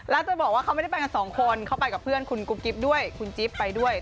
แล้วจะบอกว่าเขาไม่ได้ไปกันสองคนเขาไปกับเพื่อนคุณกุ๊บกิ๊บด้วยคุณจิ๊บไปด้วย